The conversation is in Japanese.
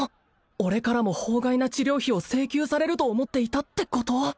俺からも法外な治療費を請求されると思っていたってこと？